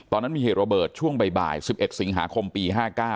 ตอนนั้นมีเหตุระเบิดช่วงบ่าย๑๑สิงหาคมปี๕๙